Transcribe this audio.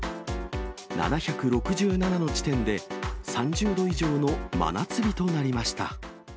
７６７の地点で３０度以上の真夏日となりました。